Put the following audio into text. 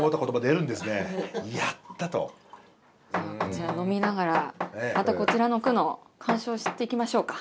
じゃあ飲みながらまたこちらの句の鑑賞していきましょうか。